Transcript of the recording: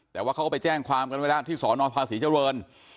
แต่ว่าเขาก็ไปแจ้งความกันเวลาที่สอนอภาษีเจ้าเวิร์น